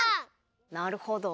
なるほど。